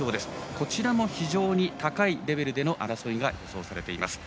こちらも非常に高いレベルの争いが予想されています。